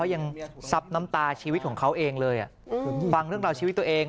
ยังซับน้ำตาชีวิตของเขาเองเลยฟังเรื่องราวชีวิตตัวเอง